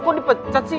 kok dipecat sih